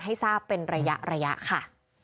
ให้ทราบเป็นระยะค่ะ